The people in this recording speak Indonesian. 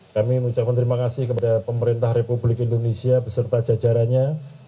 kami mengucapkan terima kasih kepada pemerintah republik indonesia beserta jajarannya